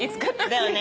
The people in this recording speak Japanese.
だよね？